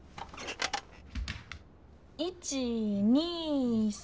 １２３。